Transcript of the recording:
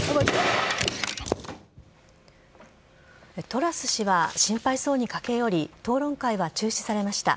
トラス氏は心配そうに駆け寄り討論会は中止されました。